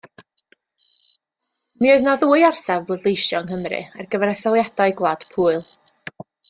Mi oedd na ddwy orsaf bleidleisio yng Nghymru ar gyfer etholiadau Gwlad Pwyl.